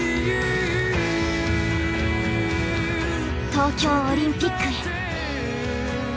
東京オリンピックへ。